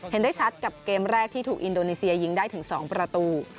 เห็นได้ชัดกับเกมแรกที่ถูกอินโดนีเซียยิงได้ถึง๒ประตู